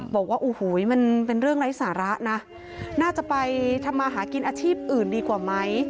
บอกว่าโอ้โหมันเป็นเรื่องไร้สาระนะน่าจะไปทำมาหากินอาชีพอื่นดีกว่าไหม